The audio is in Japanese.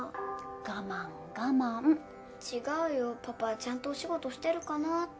違うよパパちゃんとお仕事してるかなって。